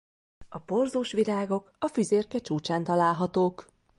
A porzós virágok a füzérke csúcsán találhatók.